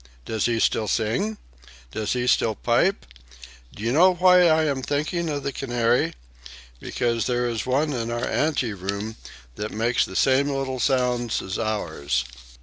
Does he still sing? Does he still pipe? Do you know why I am thinking of the canary? Because there is one in our anteroom that makes the same little sounds as ours."